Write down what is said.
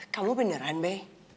kamu beneran be